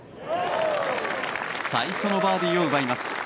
最初のバーディーを奪います。